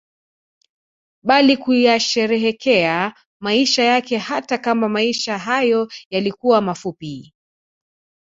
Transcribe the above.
Bali kuyasherehekea maisha yake hata kama maisha hayo yalikuwa mafupi